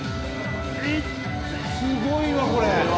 すごいわこれ。